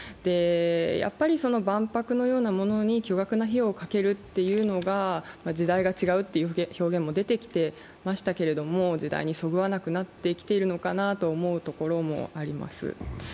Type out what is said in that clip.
やっぱり万博のようなものに巨額の費用をかけるというのが時代が違うという表現も出てきていましたけれども、時代にそぐわなくなってきてるのかなと思うところもあります。